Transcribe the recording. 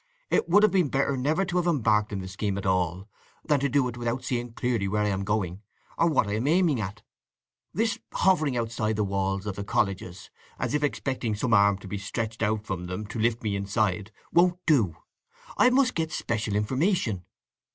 "It would have been better never to have embarked in the scheme at all than to do it without seeing clearly where I am going, or what I am aiming at… This hovering outside the walls of the colleges, as if expecting some arm to be stretched out from them to lift me inside, won't do! I must get special information."